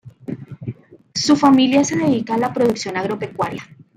Su familia se dedica a la producción agropecuaria.